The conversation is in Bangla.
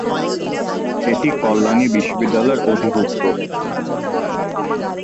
এটি কল্যাণী বিশ্ববিদ্যালয়ের অধিভুক্ত।